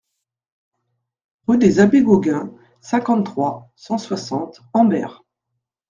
Rue des Abbés Gaugain, cinquante-trois, cent soixante Hambers